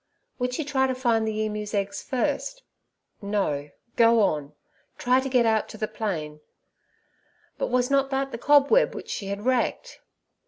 Would she try to find the emu's eggs first? No, go on; try to get out to the plain. But was not that the cobweb which she had wrecked?